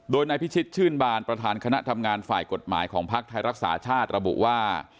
โดยนายพิชิตชื่นบานประธานคณะทำงานฝ่ายกฎหมายของภักดิ์ไทยรักษาชาติระบุว่า